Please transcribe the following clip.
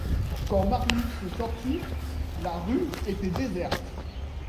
Quand Marius sortit, la rue était déserte.